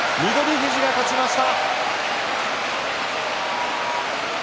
富士が勝ちました。